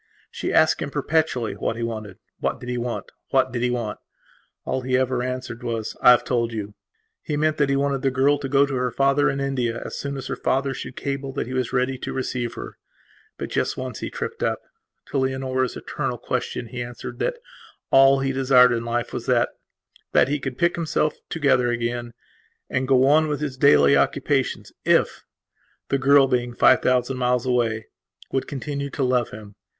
She asked him perpetually what he wanted. What did he want? What did he want? And all he ever answered was: "I have told you". He meant that he wanted the girl to go to her father in India as soon as her father should cable that he was ready to receive her. But just once he tripped up. To Leonora's eternal question he answered that all he desired in life was thatthat he could pick himself together again and go on with his daily occupations ifthe girl, being five thousand miles away, would continue to love him.